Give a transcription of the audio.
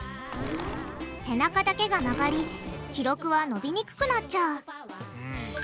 背中だけが曲がり記録はのびにくくなっちゃう。